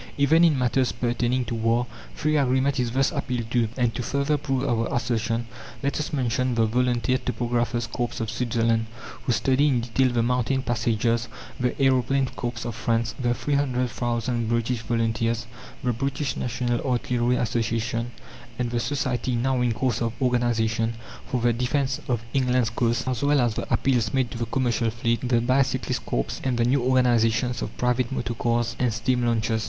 Even in matters pertaining to war, free agreement is thus appealed to; and to further prove our assertion let us mention the Volunteer Topographers' Corps of Switzerland who study in detail the mountain passages, the Aeroplane Corps of France, the three hundred thousand British volunteers, the British National Artillery Association, and the Society, now in course of organization, for the defence of England's coasts, as well as the appeals made to the commercial fleet, the Bicyclists' Corps, and the new organizations of private motorcars and steam launches.